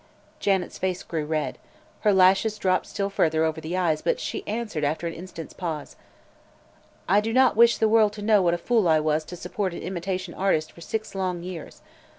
Janet's face grew red; her lashes dropped still further over the eyes; but she answered after an instant's pause: "I do not wish the world to know what a fool I was to support an imitation artist for six long years.